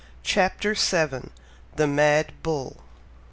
CHAPTER VII. THE MAD BULL.